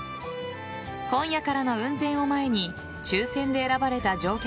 今夜からの運転を前に抽選で選ばれた乗客